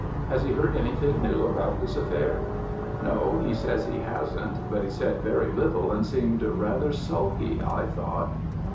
'Has he heard anything new about this affair?' "'No, he says he hasn't, but he said very little and seemed rather sulky, I thought.'